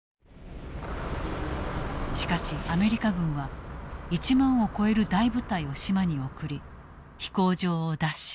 しかしアメリカ軍は１万を超える大部隊を島に送り飛行場を奪取。